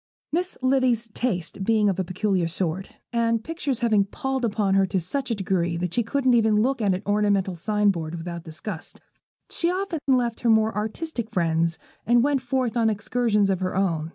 Miss Livy's tastes being of a peculiar sort, and pictures having palled upon her to such a degree that she couldn't even look at an ornamental sign board without disgust, she often left her more artistic friends and went forth on excursions of her own.